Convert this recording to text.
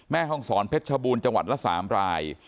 แม่ห้องศรเพชรชบูรณ์จังหวัดละ๓ราย